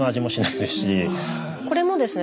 これもですね